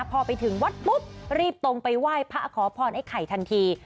พอไปถึงวัดปุ๊บรีบตรงไปไหว้พระขอพรไอ้ไข่ทันที